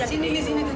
sini sini juga